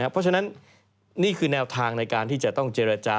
เพราะฉะนั้นนี่คือแนวทางในการที่จะต้องเจรจา